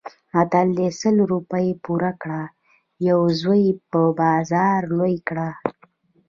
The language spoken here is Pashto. متل دی: سل روپۍ پور کړه یو زوی په بازار لوی کړه.